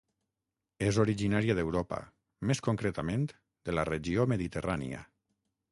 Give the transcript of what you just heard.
És originària d'Europa, més concretament de la regió mediterrània.